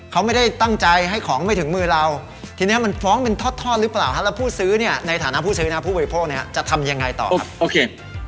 เขาไม่ได้ตั้งใจให้ของไม่ถึงมือเราทีนี้มันฟ้องเป็นทอดหรือเปล่าแล้วผู้ซื้อเนี่ยในฐานะผู้ซื้อนะผู้บริโภคเนี่ยจะทำยังไงต่อครับโอเค